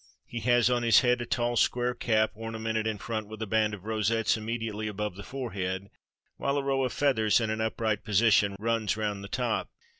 He has on his head a tall square cap, ornamented in front with a band of rosettes immediately above the forehead, while a row of feathers in an upright position runs round the top.